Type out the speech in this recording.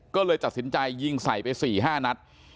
ก็เลยตัดสินใจยิงใส่ไป๔๕นัด